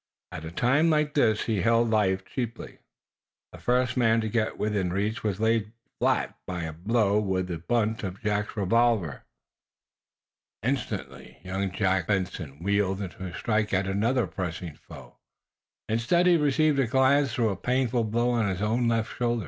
At a time like this he held life cheaply. The first man to get within reach was laid flat by a blow with the butt of Jack's revolver. Instantly young Benson wheeled, to strike at another pressing foe. Instead, he received a glancing though painful blow on his own left shoulder.